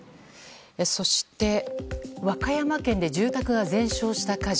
そして、和歌山県で住宅が全焼した火事。